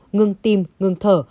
ngừng tim ngừng thở